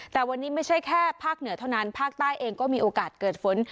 แต่วันนี้ไม่ใช่แค่ภาคเหนือเท่านั้นภาคใต้เองก็มีโอกาสเกิดฝน